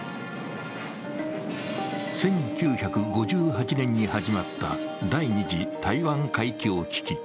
１９５８年に始まった第二次台湾海峡危機。